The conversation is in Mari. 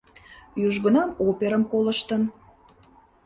Южгунам оперым колыштын.